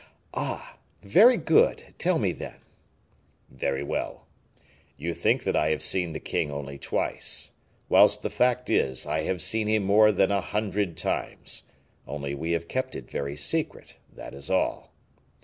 "Ah! very good, tell me, then." "Very well. You think that I have seen the king only twice, whilst the fact is I have seen him more than a hundred times; only we have kept it very secret, that is all."